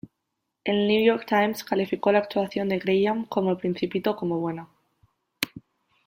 El New York Times calificó la actuación de Graham como el Principito como buena.